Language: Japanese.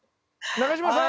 中島さん！